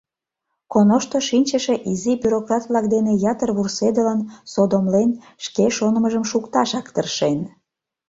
Коношто шинчыше изи бюрократ-влак дене ятыр вурседылын, содомлен, шке шонымыжым шукташак тыршен.